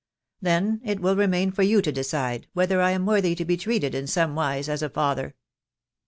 Then it will remain for you to decide whether I am worthy to be treated in some wise as a father."